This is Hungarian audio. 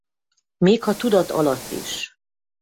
Még ha tudat alatt is.